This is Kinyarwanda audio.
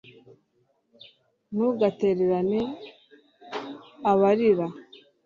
ntugatererane abarira